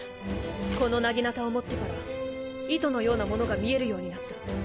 この薙刀を持ってから糸のようなものが見えるようになった。